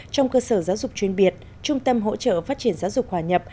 trong cơ sở giáo dục chuyên biệt trung tâm hỗ trợ phát triển giáo dục hòa nhập